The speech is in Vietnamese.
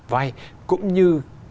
vay cũng như